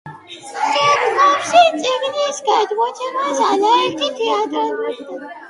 შემდგომში წიგნის გამოცემას არაერთი თეატრალური დადგმა მოჰყვა.